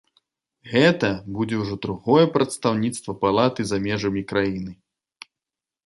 Гэта будзе ўжо другое прадстаўніцтва палаты за межамі краіны.